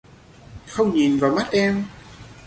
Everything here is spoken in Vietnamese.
Không nhìn vào mắt em